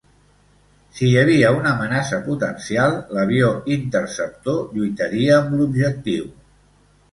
Si hi havia una amenaça potencial, l"avió interceptor lluitaria amb l"objectiu.